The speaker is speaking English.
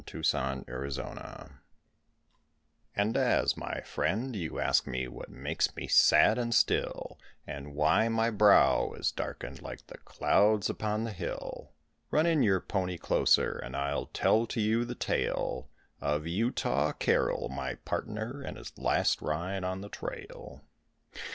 UTAH CARROLL And as, my friend, you ask me what makes me sad and still, And why my brow is darkened like the clouds upon the hill; Run in your pony closer and I'll tell to you the tale Of Utah Carroll, my partner, and his last ride on the trail.